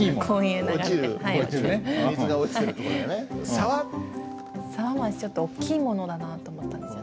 「沢」も私ちょっと大きいものだなと思ったんですよ。